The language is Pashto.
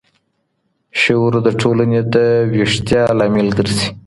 شعور د ټولني د ويښتيا لامل ګرځي.